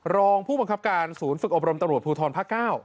รองผู้บังคับการศูนย์ฝึกอบรมตำรวจภูทรภาค๙